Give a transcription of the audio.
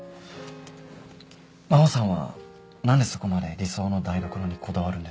マホさんはなんでそこまで理想の台所にこだわるんです？